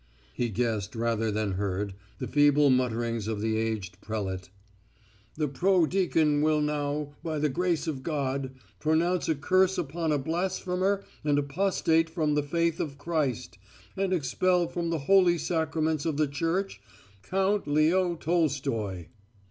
He guessed, rather than heard, the feeble mutterings of the aged prelate: "The proto deacon will now, by the grace of God, pronounce a curse upon a blasphemer and apostate from the faith of Christ, and expel from the Holy Sacraments of the Church Count Leo Tolstoy.